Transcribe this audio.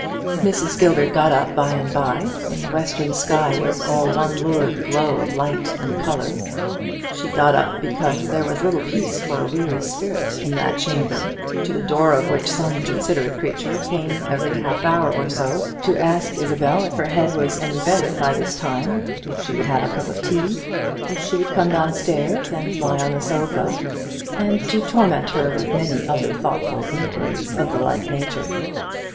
Mrs. Gilbert got up by and by, when the western sky was all one lurid glow of light and colour. She got up because there was little peace for a weary spirit in that chamber; to the door of which some considerate creature came every half hour or so to ask Isabel if her head was any better by this time, if she would have a cup of tea, if she would come down stairs and lie on the sofa, and to torment her with many other thoughtful inquiries of the like nature.